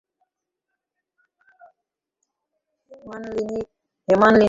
হেমনলিনী কাঁদিয়া ফেলিল।